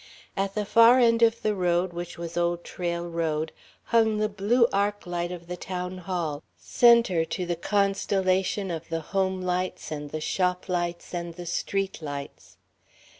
At the far end of the road which was Old Trail Road, hung the blue arc light of the Town Hall, center to the constellation of the home lights and the shop lights and the street lights.